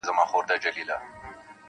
ځينې خلک د پېښې په اړه دعاوې کوي خاموش,